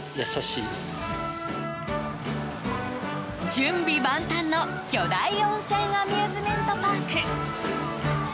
準備万端の、巨大温泉アミューズメントパーク。